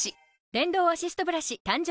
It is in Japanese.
電動アシストブラシ誕生